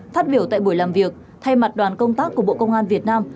phát biểu tại buổi làm việc thay mặt đoàn công tác của bộ công an việt nam